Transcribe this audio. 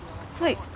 はい。